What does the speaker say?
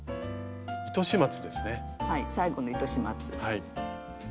はい最後の糸始末。